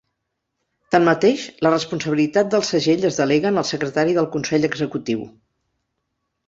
Tanmateix, la responsabilitat del segell es delega en el Secretari del Consell Executiu.